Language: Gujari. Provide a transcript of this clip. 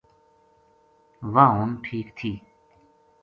واہ ہُن ٹھیک تھی